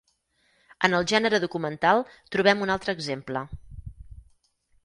En el gènere documental trobem un altre exemple: